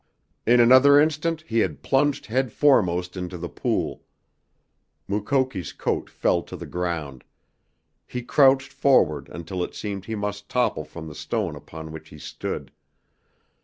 In another instant he had plunged head foremost into the pool. Mukoki's coat fell to the ground. He crouched forward until it seemed he must topple from the stone upon which he stood.